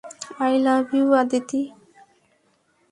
I love you, Aditi.